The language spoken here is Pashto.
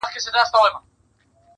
چې مقصد يې محبت وي